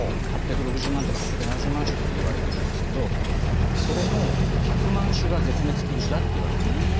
８６０万とか８７０万種といわれてるんですけどそれの１００万種が絶滅危惧種だっていわれてるんです。